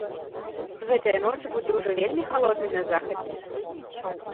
Гэтая ноч будзе ўжо вельмі халоднай на захадзе.